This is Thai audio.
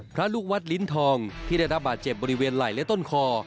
ลูกวัดลิ้นทองที่ได้รับบาดเจ็บบริเวณไหล่และต้นคอ